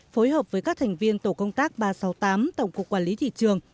phối hợp với các thành viên tổ công tác ba trăm sáu mươi tám tổng cục quản lý thị trường